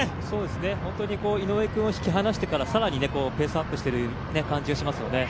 本当に井上君を引き離してから更にペースアップしている感じがしますね。